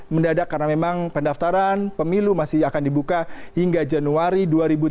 mendadak karena memang pendaftaran pemilu masih akan dibuka hingga januari dua ribu tujuh belas